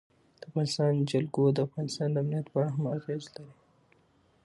د افغانستان جلکو د افغانستان د امنیت په اړه هم اغېز لري.